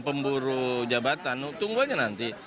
pemburu jabatan tunggu aja nanti